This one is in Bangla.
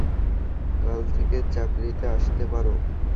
কাল থেকে চাকরিতে আসতে পারো?